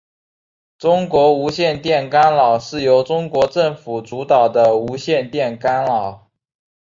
中国无线电干扰是由中国政府主导的无线电干扰。